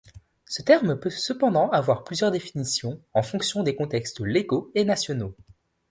Ce terme peut cependant avoir plusieurs définitions, en fonction des contextes légaux et nationaux.